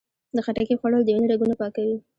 د خټکي خوړل د وینې رګونه پاکوي.